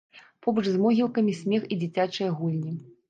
Побач з могілкамі смех і дзіцячыя гульні.